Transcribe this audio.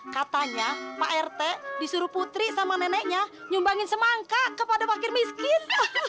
katanya pak rt disuruh putri sama neneknya nyumbangin semangka kepada wakil miskin